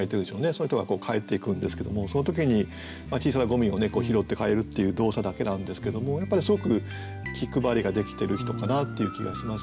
その人が帰っていくんですけどもその時に小さなゴミを拾って帰るっていう動作だけなんですけどもやっぱりすごく気配りができてる人かなっていう気がしますよね。